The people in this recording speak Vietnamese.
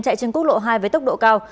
chạy trên quốc lộ hai với tốc độ cao